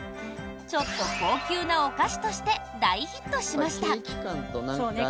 ちょっと高級なお菓子として大ヒットしました。